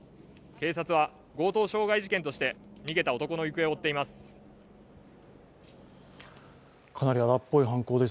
警察は強盗傷害事件として逃げた男の行方を追っています。